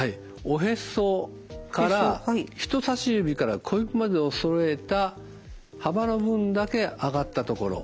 おへそから人差し指から小指までをそろえた幅の分だけ上がったところ。